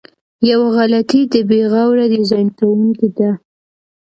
یوه غلطي د بې غوره ډیزاین کوونکو ده.